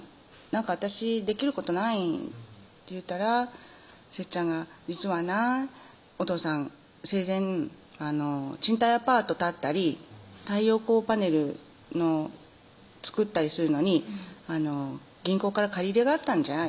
「何か私できることないん？」って言うたらせっちゃんが「実はなお父さん生前賃貸アパート建てたり太陽光パネルの作ったりするのに銀行から借り入れがあったんじゃ」